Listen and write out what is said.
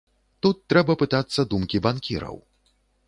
Тут трэба пытацца думкі банкіраў.